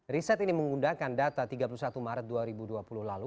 riset ini menggunakan data tiga puluh satu maret dua ribu dua puluh lalu